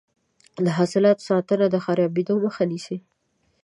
د حاصلاتو ساتنه د خرابیدو مخه نیسي.